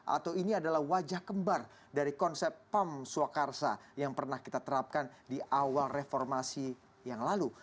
atau ini adalah wajah kembar dari konsep pam swakarsa yang pernah kita terapkan di awal reformasi yang lalu